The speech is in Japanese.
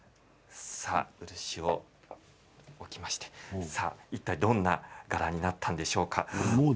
漆を置きましていったいどんな柄になったんでしょうか。